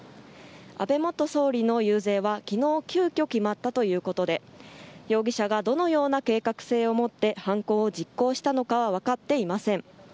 安倍元総理の遊説は昨日急きょ決まったということで容疑者がどのような計画性をもって犯行を実行したのかは分かっていません。